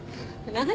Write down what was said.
何？